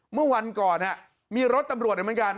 เมื่อวันก่อนมีรถตำรวจอยู่เหมือนกัน